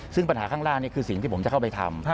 ซึ่งปัญหาข้างล่างนี่คือสิ่งที่ผมจะเข้าไปทำ